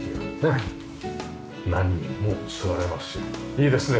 いいですね